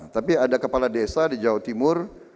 tapi ada kepala desa di jawa timur